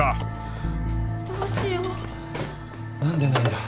何でないんだ。